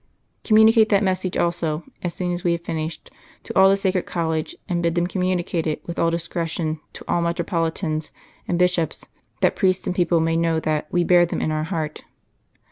'" "Communicate that message also, as soon as we have finished, to all the Sacred College, and bid them communicate it with all discretion to all metropolitans and bishops, that priests and people may know that We bear them in our heart."